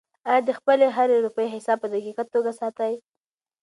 آیا ته د خپلې هرې روپۍ حساب په دقیقه توګه ساتې؟